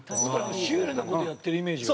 シュールな事やってるイメージが。